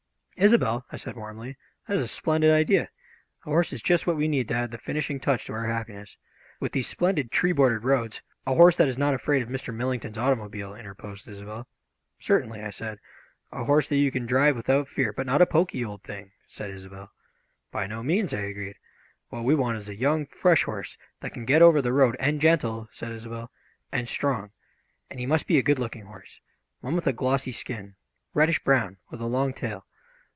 "Isobel," I said warmly, "that is a splendid idea! A horse is just what we need to add the finishing touch to our happiness! With these splendid, tree bordered roads " "A horse that is not afraid of Mr. Millington's automobile," interposed Isobel. "Certainly," I said, "a horse that you can drive without fear " "But not a pokey old thing," said Isobel. "By no means," I agreed; "what we want is a young, fresh horse that can get over the road " "And gentle," said Isobel. "And strong. And he must be a good looking horse. One with a glossy skin. Reddish brown, with a long tail.